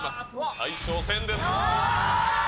大将戦です。